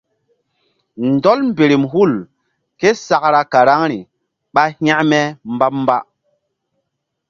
Ndɔl mberem hul ké sakra karaŋri ɓa hȩkme mbamba.